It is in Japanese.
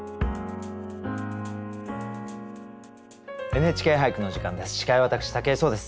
「ＮＨＫ俳句」の時間です。